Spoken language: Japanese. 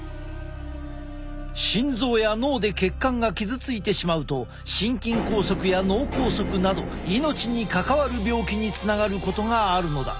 心臓や脳で血管が傷ついてしまうと心筋梗塞や脳梗塞など命に関わる病気につながることがあるのだ。